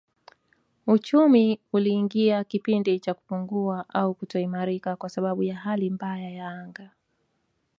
Uchumi uliingia kipindi cha kupungua au kutoimarika kwa sababu ya hali mbaya ya anga